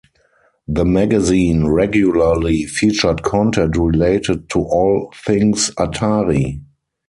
The magazine regularly featured content related to all things Atari.